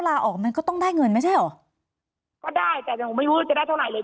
ลาออกมันก็ต้องได้เงินไม่ใช่เหรอก็ได้แต่ยังไม่รู้ว่าจะได้เท่าไหร่